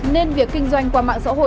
nên việc kinh doanh qua mạng xã hội